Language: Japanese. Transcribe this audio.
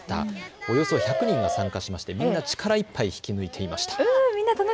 およそ１００人が参加しましてみんな力いっぱい引き抜いていました。